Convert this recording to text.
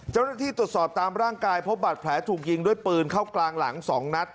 เจ้าหน้าที่ตรวจสอบตามร่างกายพบบาดแผลถูกยิงด้วยปืนเข้ากลางหลัง๒นัด